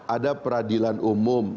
ada peradilan umum